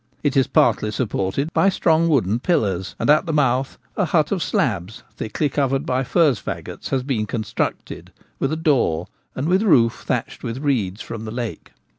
It is partly supported by strong wooden pillars, and at the mouth a hut of slabs, thickly covered by furze faggots, has been constructed, with a door, and with roof thatched with reeds from the lake.